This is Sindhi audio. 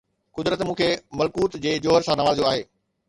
قدرت مون کي ملڪوت جي جوهر سان نوازيو آهي